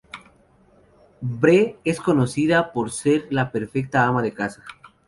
Bree es conocida por ser la perfecta ama de casa.